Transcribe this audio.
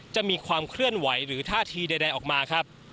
จะมีความเคลื่อนไหวหรือท่าทีใดออกมาครับ